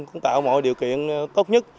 cũng tạo mọi điều kiện tốt nhất